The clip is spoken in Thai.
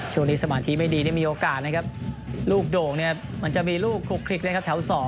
ช่วงนี้สมาธิไม่ดีไม่มีโอกาสนะครับลูกโด่งมันจะมีลูกคลุกคลิกแถว๒